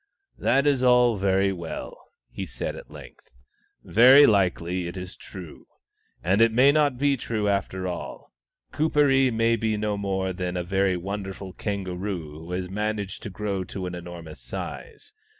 " That is all very well," he said, at length. " Very likely it is true. But it may not be true after all : Kuperee may be no more than a very wonderful kangaroo who has managed to grow to an enormous size.